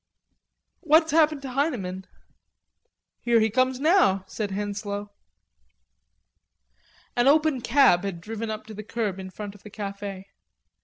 "What's happened to Heineman?" "Here he comes now," said Henslowe. An open cab had driven up to the curb in front of the cafe.